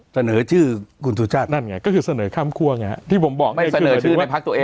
เสนอชื่อคุณสุชาตินั่นไงก็คือเสนอข้ามคั่วไงฮะที่ผมบอกไม่เสนอชื่อไม่พักตัวเอง